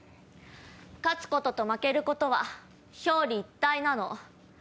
勝つことと負けることは表裏一体なの。